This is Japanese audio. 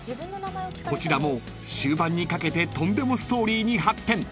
［こちらも終盤にかけてとんでもストーリーに発展］